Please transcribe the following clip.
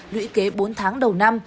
lũy kế bốn tháng đầu năm